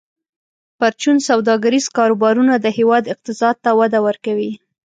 پرچون سوداګریز کاروبارونه د هیواد اقتصاد ته وده ورکوي.